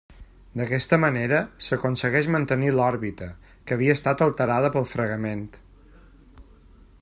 D'aquesta manera, s'aconsegueix mantenir l'òrbita, que havia estat alterada pel fregament.